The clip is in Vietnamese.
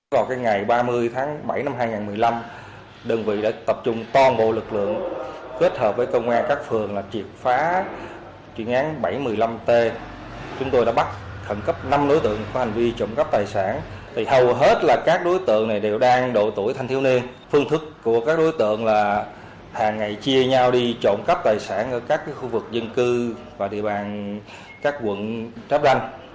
sau ngày ba mươi tháng bảy năm hai nghìn một mươi năm đơn vị đã tập trung toàn bộ lực lượng kết hợp với công an các phường là triệt phá truyền án bảy trăm một mươi năm t chúng tôi đã bắt khẩn cấp năm đối tượng có hành vi trộm cắp tài sản thì hầu hết là các đối tượng này đều đang độ tuổi thanh thiếu niên phương thức của các đối tượng là hàng ngày chia nhau đi trộm cắp tài sản ở các khu vực dân cư và địa bàn các quận tráp đanh